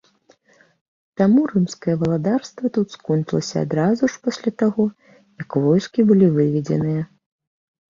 Таму рымскае валадарства тут скончылася адразу ж пасля таго, як войскі былі выведзеныя.